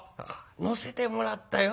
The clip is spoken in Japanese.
「乗せてもらったよ。